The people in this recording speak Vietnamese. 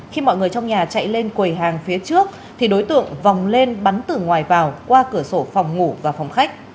khi mọi người trong nhà chạy lên quầy hàng phía trước thì đối tượng vòng lên bắn từ ngoài vào qua cửa sổ phòng ngủ và phòng khách